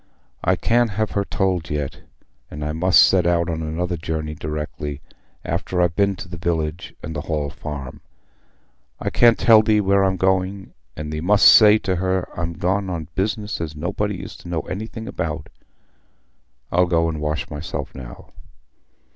"I can't have her told yet; and I must set out on another journey directly, after I've been to the village and th' Hall Farm. I can't tell thee where I'm going, and thee must say to her I'm gone on business as nobody is to know anything about. I'll go and wash myself now."